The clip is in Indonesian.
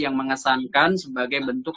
yang mengesankan sebagai bentuk